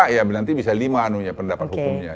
ya nanti bisa lima anunya pendapat hukumnya